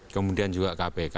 kemudian juga kpk